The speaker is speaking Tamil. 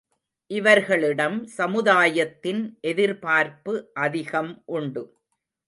இவர்களிடம் சமுதாயத்தின் எதிர்பார்ப்பு அதிகம் உண்டு.